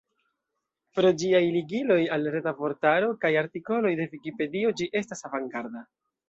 Pro ĝiaj ligiloj al Reta Vortaro kaj artikoloj de Vikipedio ĝi estas avangarda.